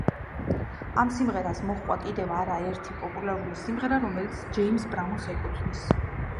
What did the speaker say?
ამ სიმღერას მოჰყვა კიდევ არა ერთი პოპულარული სიმღერა, რომლებიც ჯეიმზ ბრაუნს ეკუთვნის.